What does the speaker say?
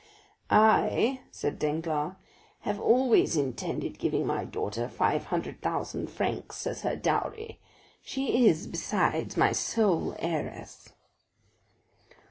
"I," said Danglars, "have always intended giving my daughter 500,000 francs as her dowry; she is, besides, my sole heiress."